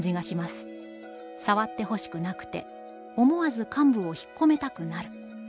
さわってほしくなくて、思わず患部を引っ込めたくなる。